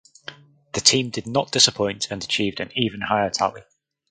The team did not disappoint and achieved an even higher tally.